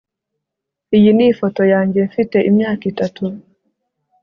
Iyi ni ifoto yanjye mfite imyaka itatu